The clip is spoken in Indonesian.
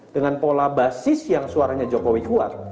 dengan pola basis yang suaranya jokowi kuat